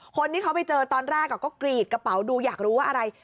คนที่เขาไปเจอตอนแรกก็กรีดกระเป๋าดูอยากรู้ว่าอะไร